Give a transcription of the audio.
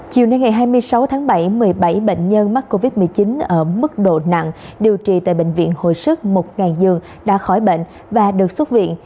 chiều nay ngày hai mươi sáu tháng bảy một mươi bảy bệnh nhân mắc covid một mươi chín ở mức độ nặng điều trị tại bệnh viện hội sức mục ngàn dương đã khỏi bệnh và được xuất viện